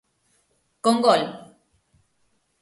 Con gol.